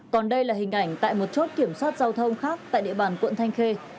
còn đây là hình ảnh tại một chốt kiểm soát giao thông khác tại địa bàn quận thanh khê